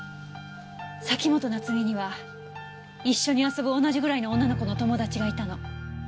崎本菜津美には一緒に遊ぶ同じぐらいの女の子の友達がいたの。